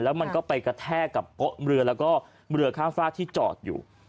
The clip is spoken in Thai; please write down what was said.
แล้วมันก็ไปกระแทกกับโป๊ะเรือแล้วก็เรือข้ามฝากที่จอดอยู่